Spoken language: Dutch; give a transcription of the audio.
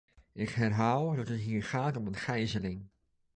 Ik herhaal dat het hier gaat om een gijzeling.